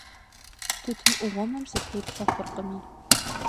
Тутын Ӏугъуэмэм сытеплъэ хъуркъыми.